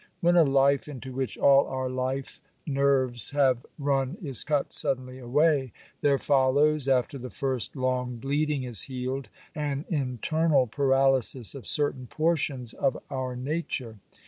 When a life into which all our life nerves have run is cut suddenly away, there follows, after the first long bleeding is healed, an internal paralysis of certain portions of our nature.